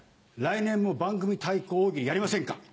来年も「番組対抗大喜利」やりませんか？